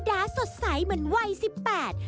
สดใสเหมือนวัยสิบแปด